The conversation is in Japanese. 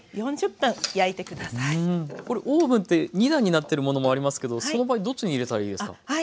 これオーブンって２段になってるものもありますけどその場合どっちに入れたらいいですか？